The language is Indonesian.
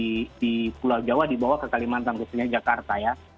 masalah masalah yang ada di pulau jawa dibawa ke kalimantan khususnya jakarta ya